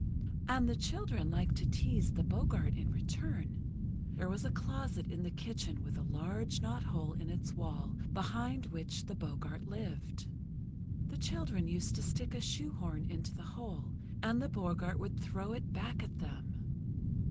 And the children liked to tease the Boggart in return. There was a closet in the kitchen with a large knot hole in its wall behind which the Boggart lived. The children used to stick a shoehorn into the hole; and the Boggart would throw it back at them.